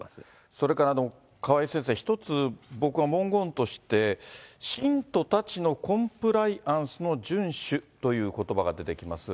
それから、川井先生、一つ、僕は文言として、信徒たちのコンプライアンスの遵守ということばが出てきます。